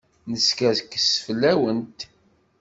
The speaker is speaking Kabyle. Neskerkes fell-awent.